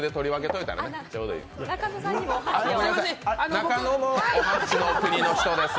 中野もお箸の国の人です。